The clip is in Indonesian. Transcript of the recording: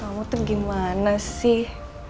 kamu tuh gimana sih